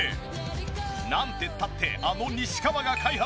なんてったってあの西川が開発。